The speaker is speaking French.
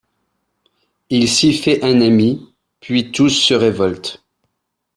Il s'y fait un ami, puis tous se révoltent.